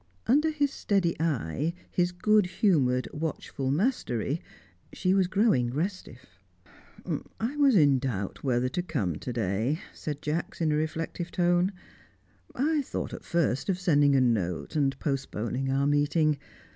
Under his steady eye, his good humoured, watchful mastery, she was growing restive. "I was in doubt whether to come to day," said Jacks, in a reflective tone. "I thought at first of sending a note, and postponing our meeting.